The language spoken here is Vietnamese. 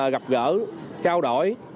gặp gỡ trao đổi